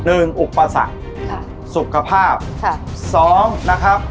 อุปสรรคค่ะสุขภาพค่ะสองนะครับ